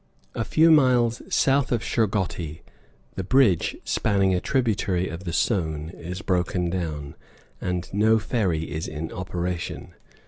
A few miles south of Shergotti the bridge spanning a tributary of the Sone is broken down, and no ferry is in operation.